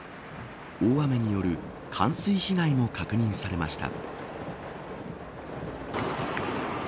大雨による冠水被害も確認されました。